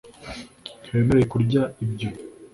ntiwemerewe kurya ibyo